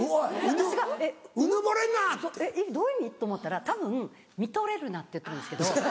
私が「えっ？どういう意味？」と思ったらたぶん「見とれるな」って言ってるんですけど。